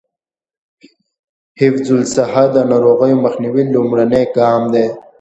حفظ الصحه د ناروغیو مخنیوي لومړنی ګام دی.